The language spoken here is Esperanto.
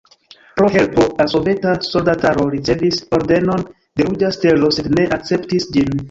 Pro helpo al soveta soldataro ricevis Ordenon de Ruĝa Stelo, sed ne akceptis ĝin.